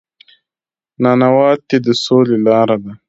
نانواتې د سولې لاره ده